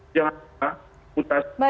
jangan kita putas